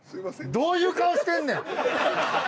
どういう顔してんねん！